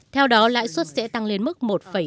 theo đó lãi suất sẽ tăng lên mức một bảy